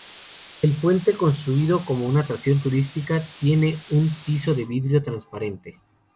El puente, construido como atracción turística, tiene un piso de vidrio transparente.